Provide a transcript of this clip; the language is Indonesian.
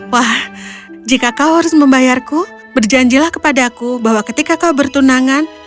wah jika kau harus membayarku berjanjilah kepada aku bahwa ketika kau bertunangan